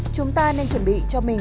chúng ta nên chuẩn bị cho mình